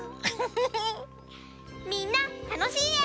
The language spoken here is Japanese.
みんなたのしいえを。